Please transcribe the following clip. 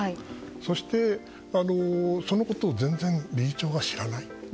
そして、そのあと全然理事長は知らない。